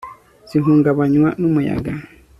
zihungabanywa n'umuyaga